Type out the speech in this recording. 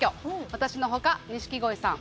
私の他錦鯉さん